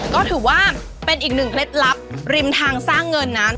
ก็ถือว่าเป็นอีกหนึ่งเคล็ดลับริมทางสร้างเงินนั้น